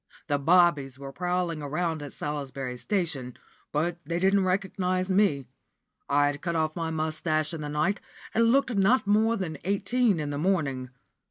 The bobbies were prowling about at Salisbury station, but they didn't recognise me. I'd cut off my moustache in the night, and looked not more than eighteen in the morning.